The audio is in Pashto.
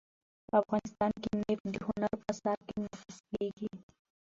افغانستان کې نفت د هنر په اثار کې منعکس کېږي.